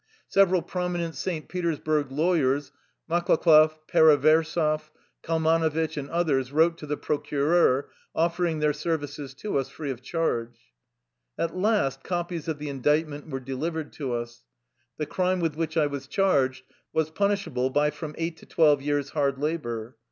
Several prominent 77 THE LIFE STOKY OF A KUSSIAN EXILE St. Petersburg lawyers, Maklakoff, Pereverzeff, Kalmanovitch, and others, wrote to the pro cureur offering their services to us free of charge. At last copies of the indictment were delivered to us. The crime with which I was charged was punishable by from eight to twelve years' hard labor.